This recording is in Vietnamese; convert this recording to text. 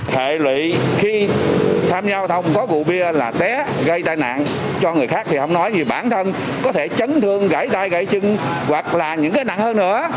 hệ lụy khi tham gia giao thông có rượu bia là bé gây tai nạn cho người khác thì không nói gì bản thân có thể chấn thương gãy tay chân hoặc là những cái nặng hơn nữa